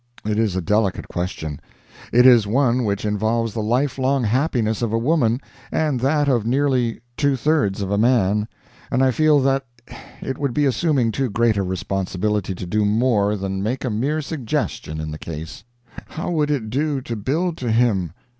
It is a delicate question; it is one which involves the lifelong happiness of a woman, and that of nearly two thirds of a man, and I feel that it would be assuming too great a responsibility to do more than make a mere suggestion in the case. How would it do to build to him?